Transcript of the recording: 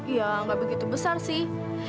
ya nggak begitu besar sih